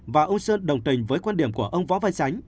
và ông sơn đồng tình với quan điểm của ông võ văn